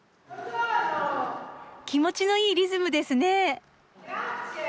気持ちのいいリズムですね。